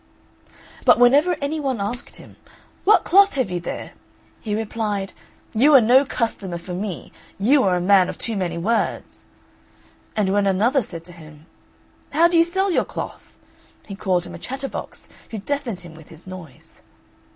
But whenever any one asked him, "What cloth have you there?" he replied, "You are no customer for me; you are a man of too many words." And when another said to him, "How do you sell your cloth?" he called him a chatterbox, who deafened him with his noise.